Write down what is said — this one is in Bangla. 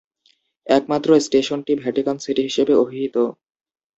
একমাত্র স্টেশনটি ভ্যাটিকান সিটি হিসেবে অভিহিত।